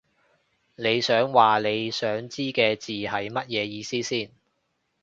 你想話你想知嘅字係乜嘢意思先